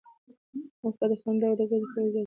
موخه یې د خندا د ګټو پوهاوی زیاتول دي.